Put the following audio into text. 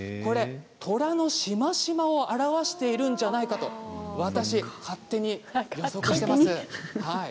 とらのしましまを表しているんじゃないかと私は勝手に予測しています。